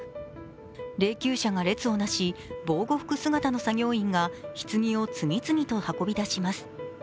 霊きゅう車が列をなし防護服姿の作業員がひつぎを次々と運び出します。